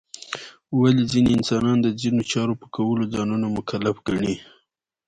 ولې ځینې انسانان د ځینو چارو په کولو ځانونه مکلف ګڼي؟